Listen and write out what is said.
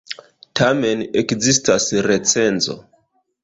Tamen ekzistas recenzo!